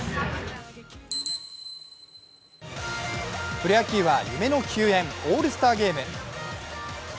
プロ野球は夢の球宴オールスターゲーム。